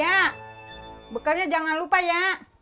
ya bekalnya jangan lupa ya